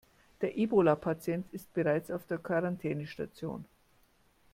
Der Ebola-Patient ist bereits auf der Quarantänestation.